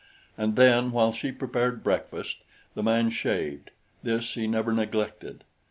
And then while she prepared breakfast, the man shaved this he never neglected.